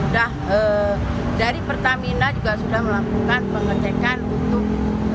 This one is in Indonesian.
nah dari pertamina juga sudah melakukan pengecekan untuk